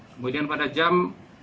kemudian pada jam enam belas dua puluh lima